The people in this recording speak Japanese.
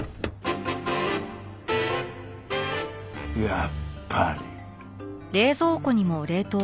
やっぱり。